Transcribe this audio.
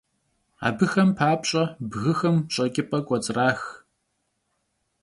Abıxem papş'e bgıxem ş'eç'ıp'e k'uets'rax.